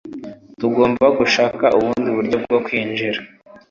Tugomba gushaka ubundi buryo bwo kwinjira.